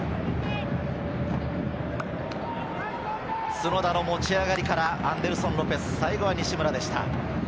角田の持ち上がりからアンデルソン・ロペス、最後は西村でした。